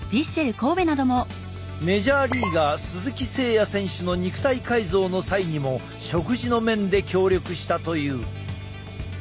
メジャーリーガー鈴木誠也選手の肉体改造の際にも食事の面で協力したという。